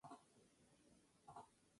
Consta de dos plantas y semisótano.